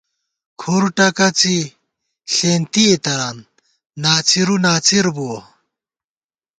کھُر ٹکَڅَی ݪېنتِئے تران ، ناڅِرُو ناڅِر بُوَہ